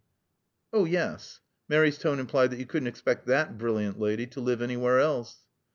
"Oh, yes." Mary's tone implied that you couldn't expect that brilliant lady to live anywhere else.